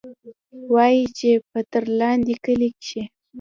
وايي چې پۀ ترلاندۍ کلي کښې